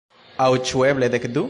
Aŭ ĉu eble dekdu?